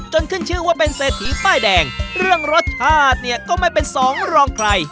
ขึ้นชื่อว่าเป็นเศรษฐีป้ายแดงเรื่องรสชาติเนี่ยก็ไม่เป็นสองรองใคร